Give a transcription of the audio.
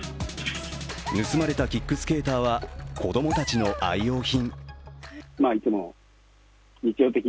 盗まれたキックスケーターは子供たちの愛用品。